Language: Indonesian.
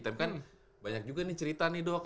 tapi kan banyak juga nih cerita nih dok